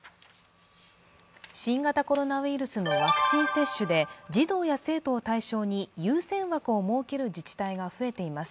新型コロナウイルスのワクチン接種で、児童や生徒を対象に優先枠を設ける自治体が増えています。